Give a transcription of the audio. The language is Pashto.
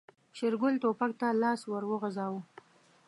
شېرګل ټوپک ته لاس ور وغځاوه.